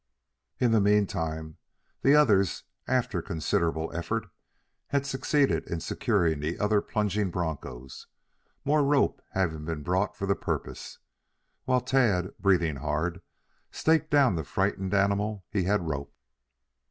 In the meantime the others, after considerable effort, had succeeded in securing the other plunging bronchos, more rope having been brought for the purpose, while Tad, breathing hard, staked down the frightened animal he had roped.